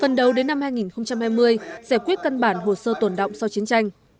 phần đầu đến năm hai nghìn hai mươi giải quyết cân bản hồ sơ tồn động sau chiến tranh